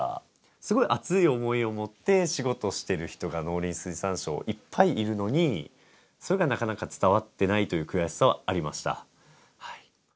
すごい熱い思いを持って仕事をしている人が農林水産省いっぱいいるのにそれがなかなか伝わってないという悔しさはありましたはい。